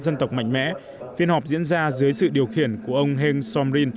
dân tộc mạnh mẽ phiên họp diễn ra dưới sự điều khiển của ông heng somrin